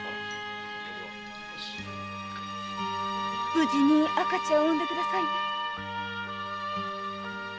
無事に赤ちゃんを産んでくださいね。